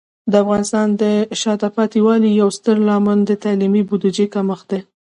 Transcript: د افغانستان د شاته پاتې والي یو ستر عامل د تعلیمي بودیجې کمښت دی.